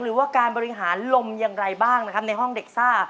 หรือว่าการบริหารลมอย่างไรบ้างนะครับในห้องเด็กซ่า